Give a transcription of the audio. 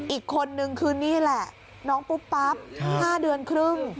อีกคนนึงคือนี่แหละน้องปุ๊บปั๊บ๕เดือนครึ่ง